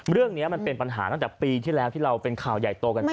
เรื่องนี้มันเป็นปัญหาตั้งแต่ปีที่แล้วที่เราเป็นข่าวใหญ่โตกันไป